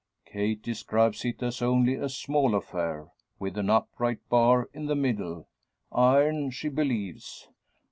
Kate describes it as only a small affair, with an upright bar in the middle iron, she believes.